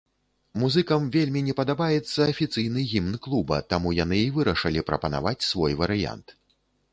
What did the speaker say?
Музыкам вельмі не падабаецца афіцыйны гімн клуба, таму яны і вырашылі прапанаваць свой варыянт.